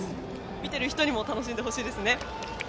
見ている人にも楽しんでほしいですね。